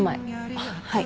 あっはい。